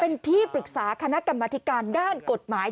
เป็นที่ปรึกษาคณะกรรมธิการด้านกฎหมาย